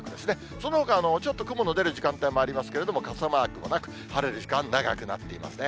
そのほかちょっと雲の出る時間帯もありますけれども、傘マークもなく、晴れる時間、長くなっていますね。